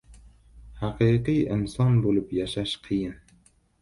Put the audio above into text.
Haqiqiy inson bo‘lib yashash qiyin.